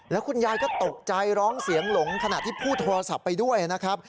แล้วคุณยายก็ตกใจร้องเสียงหลงขณะที่พูดโทรศัพท์ไปด้วยนะครับ